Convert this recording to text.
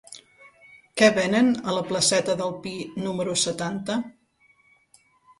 Què venen a la placeta del Pi número setanta?